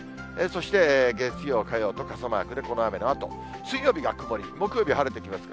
そして月曜、火曜と傘マークで、この雨のあと水曜日が曇り、木曜日晴れてきます。